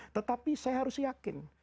tetapi saya harus yakin